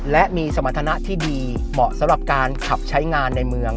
และมีสมรรถนะที่ดีเหมาะสำหรับการขับใช้งานในเมือง